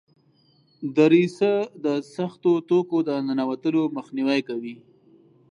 دریڅه د سختو توکو د ننوتلو مخنیوی کوي.